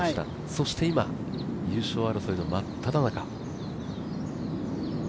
そして今、優勝争いの真っただ中。